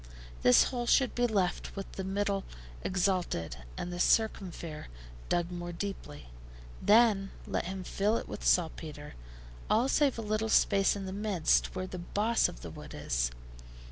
This hole should be left with the middle exalted, and the circumfere dug more deeply. Then let him fill it with saltpetre, all save a little space in the midst, where the boss of the wood is.